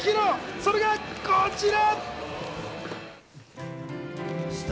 それがこちら。